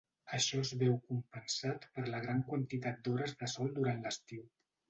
Això es veu compensat per la gran quantitat d'hores de sol durant l'estiu.